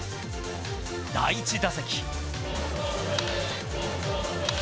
第１打席。